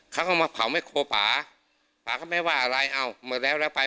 เขาก็มาเผาแม่โครป่าป่าก็ไม่ว่าอะไรอ้าวหมดแล้วแล้วไป